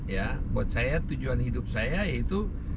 ya buat saya tujuan hidup saya yaitu